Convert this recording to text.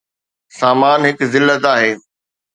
سامان هڪ ذلت آهي